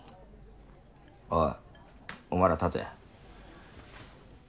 おいお前ら立て。